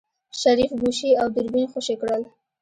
شريف ګوشي او دوربين خوشې کړل.